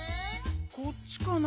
こっちかな？